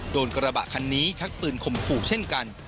โดนกระบะคันนี้ชักปืนข่มขู่เช่นกัน